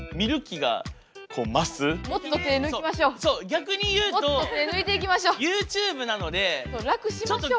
逆に言うとＹｏｕＴｕｂｅなので。